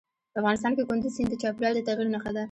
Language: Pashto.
افغانستان کې کندز سیند د چاپېریال د تغیر نښه ده.